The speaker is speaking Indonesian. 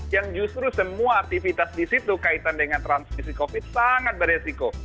yang justru semua aktivitas di situ kaitan dengan transmisi covid sangat beresiko